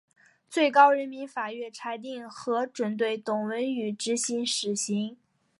最高人民法院裁定核准对董文语执行死刑。